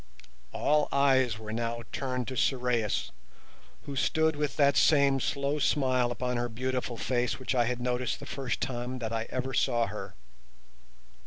All eyes were now turned to Sorais, who stood with that same slow smile upon her beautiful face which I had noticed the first time that I ever saw her.